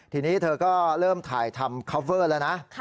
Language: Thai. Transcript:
ทีนี้เธอก็เริ่มถ่ายทำคอฟเวอร์แล้วนะ